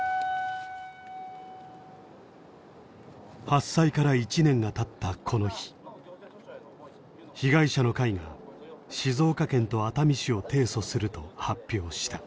発災から１年が経ったこの日被害者の会が静岡県と熱海市を提訴すると発表した。